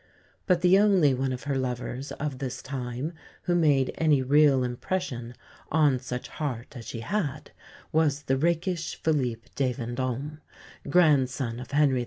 But the only one of her lovers of this time who made any real impression on such heart as she had was the rakish Philippe de Vendôme, grandson of Henri IV.